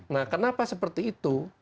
nah kenapa seperti itu